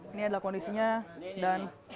ini adalah kondisinya